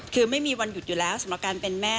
คือไม่มีวันหยุดอยู่แล้วสำหรับการเป็นแม่